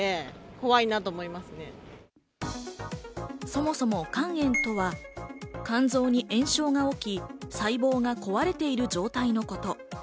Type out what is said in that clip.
そもそも肝炎とは肝臓に炎症が起き、細胞が壊れている状態のこと。